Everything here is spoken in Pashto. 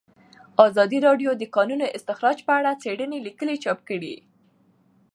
ازادي راډیو د د کانونو استخراج په اړه څېړنیزې لیکنې چاپ کړي.